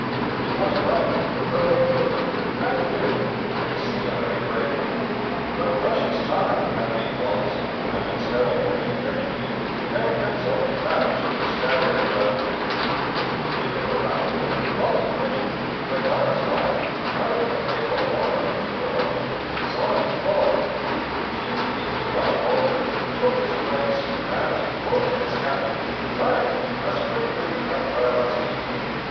He was right; the men could, and did, face the enemy bravely. But precious time had been lost, and instead of winning a victory, the Americans only managed to stand their ground. [Illustration: Molly Pitcher.] During the battle, Molly Pitcher, a gunner's wife, carrying a pail of water to her husband, saw him fall. She immediately rushed forward, took his place, and, loading his cannon, fired it as quickly and well as he.